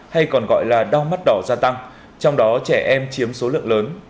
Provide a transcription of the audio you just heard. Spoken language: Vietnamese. hay còn gọi là đau mắt đỏ gia tăng trong đó trẻ em chiếm số lượng lớn